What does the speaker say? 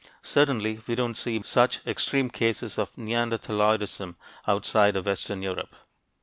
Certainly, we don't see such extreme cases of "neanderthaloidism" outside of western Europe.